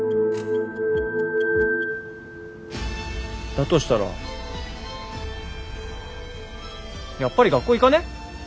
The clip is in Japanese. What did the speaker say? だとしたらやっぱり学校行かね？